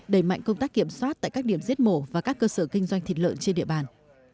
đẩy mạnh công tác kiểm soát tại các điểm giết mổ và các cơ sở kinh doanh thịt lợn trên địa bàn